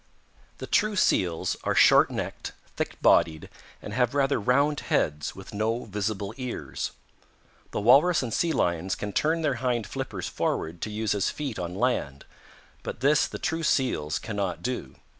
"The true Seals are short necked, thick bodied, and have rather round heads with no visible ears. The Walrus and Sea Lions can turn their hind flippers forward to use as feet on land, but this the true Seals cannot do.